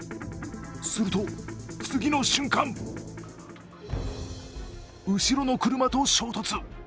すると、次の瞬間後ろの車と衝突。